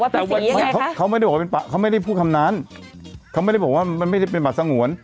แต่ว่าภาษียังไงคะเขาไม่ได้พูดคำนั้นเขาไม่ได้บอกว่ามันไม่ได้เป็นป่าสงวน